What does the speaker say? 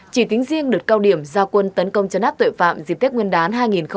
chỉ tính riêng đợt cao điểm giao quân tấn công chấn áp tội phạm dịp tết nguyên đán hai nghìn hai mươi bốn